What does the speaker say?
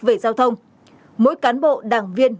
về giao thông mỗi cán bộ đảng viên